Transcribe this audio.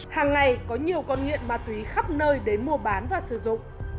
hàng ngày có nhiều con nghiện ma túy khắp nơi đến mua bán và sử dụng